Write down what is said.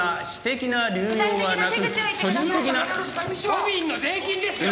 都民の税金ですよ！